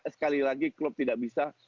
sekali lagi klub tidak bisa